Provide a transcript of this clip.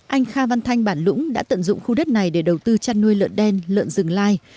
anh kha văn thanh bản lũng đã tận dụng khu đất này để đầu tư chăn nuôi lợn đen lợn rừng lai